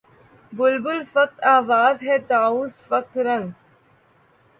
بلبل فقط آواز ہے طاؤس فقط رنگ